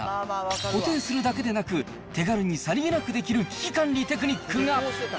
固定するだけでなく、手軽にさりげなくできる危機管理テクニックが。